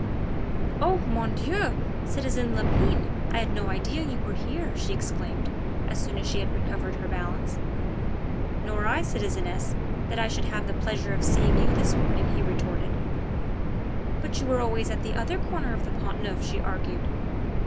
"Oh, mon Dieu! citizen Lepine, I had no idea you were here," she exclaimed as soon as she had recovered her balance. "Nor I, citizeness, that I should have the pleasure of seeing you this morning," he retorted. "But you were always at the other corner of the Pont Neuf," she argued.